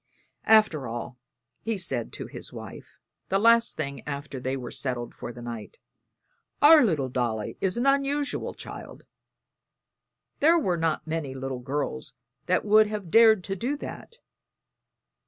"After all," he said to his wife the last thing after they were settled for the night, "our little Dolly is an unusual child. There were not many little girls that would have dared to do that.